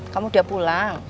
kamu udah pulang